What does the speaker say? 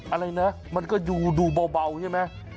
อะไรนะมันก็ดูเบาใช่ไหม